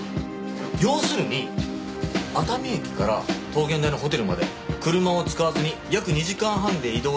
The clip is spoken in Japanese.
要するに熱海駅から桃源台のホテルまで車を使わずに約２時間半で移動出来ればいいって事ですよね。